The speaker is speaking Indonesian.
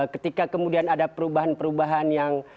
ketika kemudian ada perubahan perubahan yang